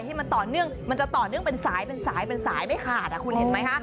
ที่มันต่อเนื่องมันจะต่อเนื่องเป็นสายเป็นสายเป็นสายไม่ขาดคุณเห็นไหมคะ